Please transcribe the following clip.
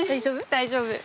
大丈夫。